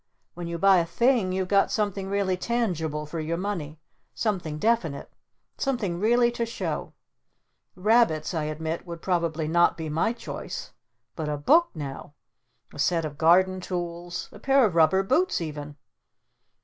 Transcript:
When you buy a Thing you've got something really tangible for your money! Something definite! Something really to show! 'Rabbits' I admit would probably not be my choice. But a book, now! A set of garden tools? A pair of rubber boots even?"